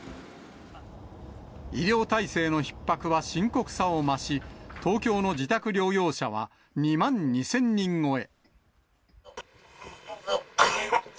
医療体制のひっ迫は深刻さを増し、東京の自宅療養者は２万２０００人超え。